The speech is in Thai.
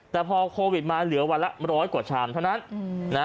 แต่พอโควิดมาเหลือวันละร้อยกว่าชามเท่านั้น